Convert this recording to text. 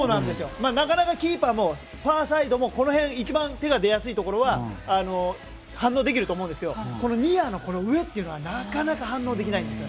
なかなかキーパーもファーサイドのこの辺の手が出やすいところは反応できると思うんですけどニアのこの上というのはなかなか反応できないんです。